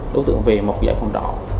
đối tượng về một giải phòng trọ